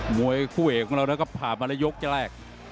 หมดยกแรก